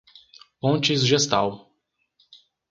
Pontes Gestal